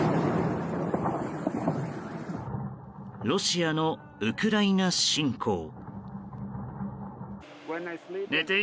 ロシアのウクライナ侵攻。